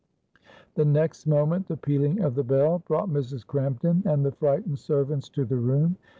The next moment the pealing of the bell brought Mrs. Crampton and the frightened servants to the room.